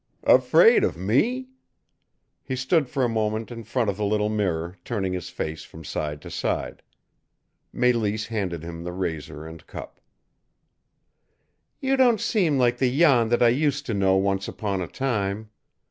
"Afraid of me?" He stood for a moment in front of the little mirror, turning his face from side to side. Mélisse handed him the razor and cup. "You don't seem like the Jan that I used to know once upon a time.